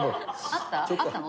あったの？